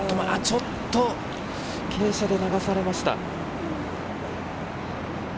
ちょっと傾斜で流されました。